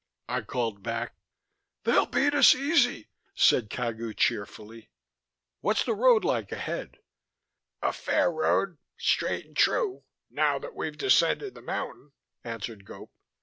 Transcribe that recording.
I called back. "They'll beat us easy," said Cagu cheerfully. "What's the road like ahead?" "A fair road, straight and true, now that we've descended the mountain," answered Gope.